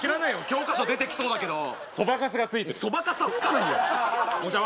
教科書出てきそうだけどそばかすがついてるそばかすはつかないよじゃ